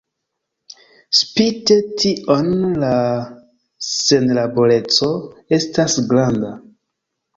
Spite tion la senlaboreco estas granda.